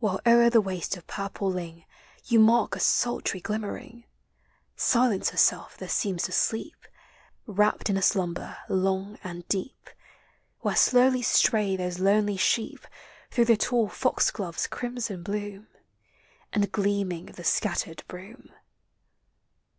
While o'er the waste of purple ling You mark a sultry glimmering; Silence herself there seems to sleep, Wrapped in a slumber long and deep, Where slowly stray those lonely sheep Through the tall foxglove's crimson bloom, And gleaming of the scattered broom.